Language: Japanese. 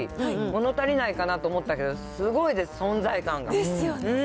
もの足りないかなと思ったけど、すごいでですよね。